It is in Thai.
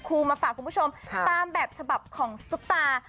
มาฝากคุณผู้ชมตามแบบฉบับของซุปตา